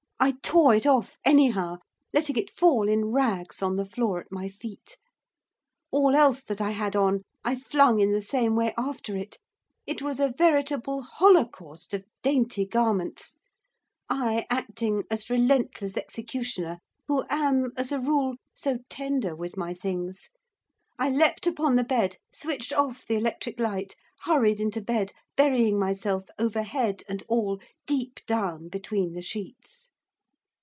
I tore it off anyhow, letting it fall in rags on the floor at my feet. All else that I had on I flung in the same way after it; it was a veritable holocaust of dainty garments, I acting as relentless executioner who am, as a rule, so tender with my things. I leaped upon the bed, switched off the electric light, hurried into bed, burying myself, over head and all, deep down between the sheets.